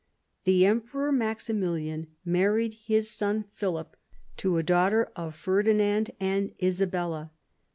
The Emperor Maximilian married his son Philip to a daughter of Ferdinand and Isabella.